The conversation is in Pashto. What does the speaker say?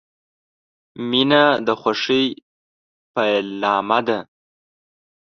• مینه د خوښۍ پیلامه ده.